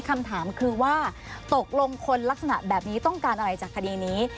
คำถามคือว่าตกลงคนลักษณะแบบนี้ต้องการอะไรจากคดีนี้